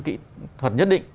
kỹ thuật nhất định